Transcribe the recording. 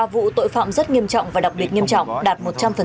ba vụ tội phạm rất nghiêm trọng và đặc biệt nghiêm trọng đạt một trăm linh